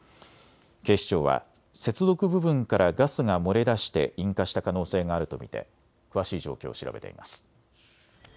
警視庁は接続部分からガスが漏れ出して引火した可能性があると見て詳しい状況を調べています。